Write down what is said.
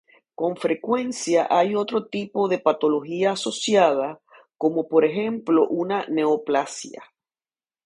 Con frecuencia hay otro tipo de patología asociada, como por ejemplo una neoplasia.